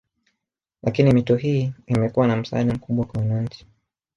Lakini mito hii imekuwa na msaada mkubwa kwa wananchi